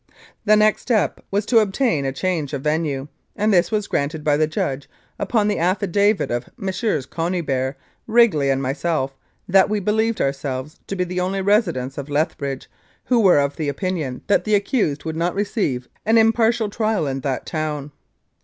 The next step was to obtain a change of venue, and this was granted by the judge upon the affidavit of Messrs. Conybeare, Wrigley and myself that we believed ourselves to be the only residents of Lethbridge who were of opinion that the accused would not receive an impartial trial in that town.